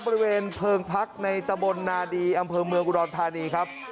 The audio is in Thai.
เพลิงพักในตะบลนาดีอำเภอเมืองอุดรธานีครับ